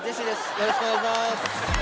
よろしくお願いします